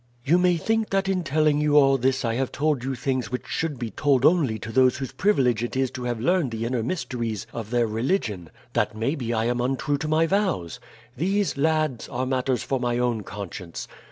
"You may think that in telling you all this I have told you things which should be told only to those whose privilege it is to have learned the inner mysteries of their religion; that maybe I am untrue to my vows. These, lads, are matters for my own conscience.